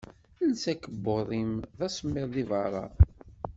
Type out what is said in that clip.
Els akebbuḍ-im. D asemmiḍ deg berra.